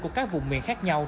của các vùng miền khác nhau